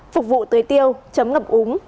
phục vụ tươi tiêu chấm ngập úng